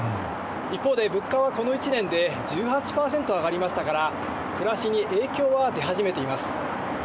一方で、物価はこの１年で１８％上がりましたから、暮らしに影響は出始めています。